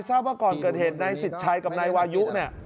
ทราบว่าก่อนเกิดเหตุนายสิทธิ์ชัยกับนายวายุเนี่ย